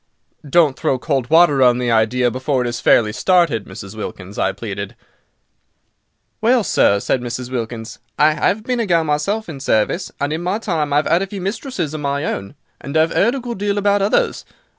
"Don't throw cold water on the idea before it is fairly started, Mrs. Wilkins," I pleaded. "Well, sir," said Mrs. Wilkins, "I 'ave been a gal myself in service; and in my time I've 'ad a few mistresses of my own, and I've 'eard a good deal about others.